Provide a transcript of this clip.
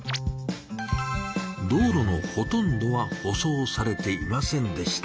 道路のほとんどは舗装されていませんでした。